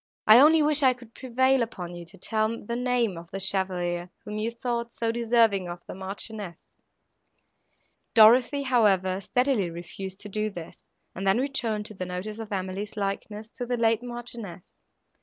I only wish I could prevail upon you to tell the name of the chevalier, whom you thought so deserving of the Marchioness." Dorothée, however, steadily refused to do this, and then returned to the notice of Emily's likeness to the late Marchioness.